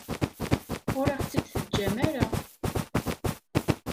Ur aɣ-tt-id-teǧǧam ara.